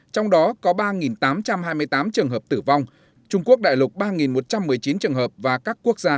trong đó có ba tám trăm hai mươi tám trường hợp tử vong trung quốc đại lục ba một trăm một mươi chín trường hợp và các quốc gia